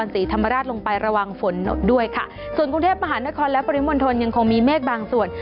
ศรีธรรมราชลงไประวังฝนด้วยค่ะส่วนกรุงเทพมหานครและปริมณฑลยังคงมีเมฆบางส่วน